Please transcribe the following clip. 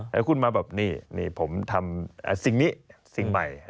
แล้วคุณมาบอกนี่ผมทำสิ่งนี้สิ่งใหม่